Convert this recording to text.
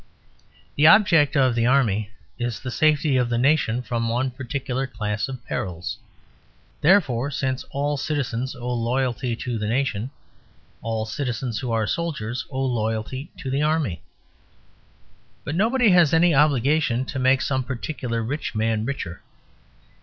The object of the Army is the safety of the nation from one particular class of perils; therefore, since all citizens owe loyalty to the nation, all citizens who are soldiers owe loyalty to the Army. But nobody has any obligation to make some particular rich man richer.